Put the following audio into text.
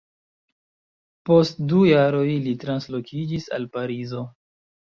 Post du jaroj li translokiĝis al Parizo.